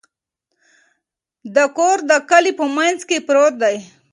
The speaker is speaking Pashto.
دا کور د کلي په منځ کې پروت دی.